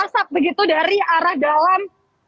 asap begitu dari arah dalam